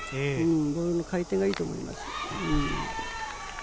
ボールの回転がいいと思います。